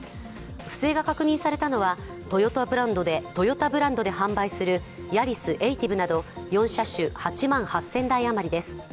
不正が確認されたのはトヨタブランドで販売するＹＡＲＩＳＡＴＩＶなど４車種８万８０００万台余りです。